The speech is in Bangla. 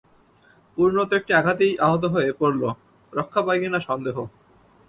পূর্ণ তো একটি আঘাতেই আহত হয়ে পড়ল– রক্ষা পায় কি না সন্দেহ।